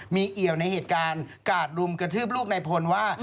มีเอี่ยวในเหตุการณ์กาดรุมกระทืบลูกในพลว่า